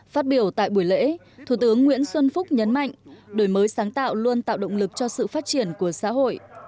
phát biểu tại buổi lễ thủ tướng nguyễn xuân phúc nhấn mạnh đổi mới sáng tạo luôn tạo động lực cho sự phát triển của xã hội